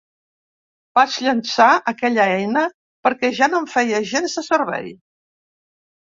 Vaig llençar aquella eina perquè ja no em feia gens de servei.